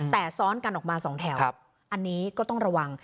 แต่ซ้อนกันออกมาสองแถวอันนี้ก็ต้องระวัง